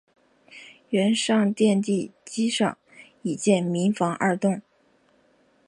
原上殿地基上已建民房二幢。